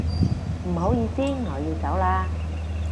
唔好意思，我要走啦